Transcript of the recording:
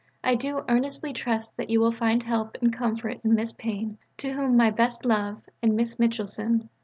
I do earnestly trust that you will find help and comfort in Miss Pyne, to whom my best love, and Miss Mitchelson.